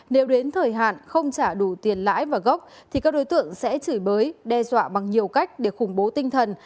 nếu đến thời hạn không trả đủ tiền lãi và gốc thì các đối tượng sẽ chửi bới đe dọa bằng nhiều cách để khủng bố tinh thần